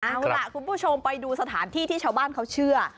เอาล่ะคุณผู้ชมไปดูสถานที่ที่ชาวบ้านเขาเชื่อ